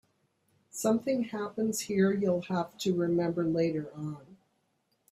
Something happens here you'll have to remember later on.